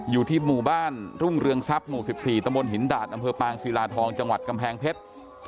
อยู่ที่หมู่บ้านรุ่งเรืองทรัพย์หมู่๑๔ตมหินดาดอศิลาทองจกำแพงเพชร